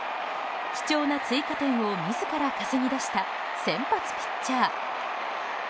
貴重な追加点を自ら稼ぎ出した先発ピッチャー。